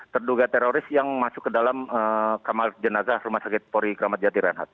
terduga teroris yang masuk ke dalam kamar jenazah rumah sakit polri kramadjati renat